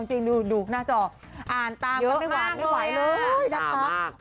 จริงดูหน้าจออ่านตามก็ไม่อย่างน้อยเลยนะคะ